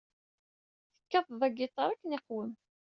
Tekkateḍ agiṭaṛ akken iqwem.